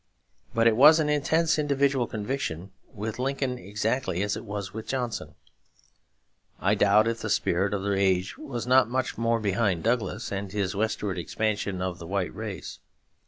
But it was an intense individual conviction with Lincoln exactly as it was with Johnson. I doubt if the spirit of the age was not much more behind Douglas and his westward expansion of the white race.